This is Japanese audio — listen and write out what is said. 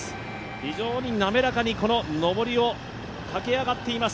非常に滑らかに上りを駆け上がっています。